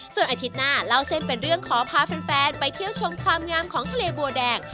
ส่วนอาทิตย์หน้าเล่าเส้นเป็นเรื่องขอพาแฟนไปเที่ยวชมความงามของทะเลบัวแดง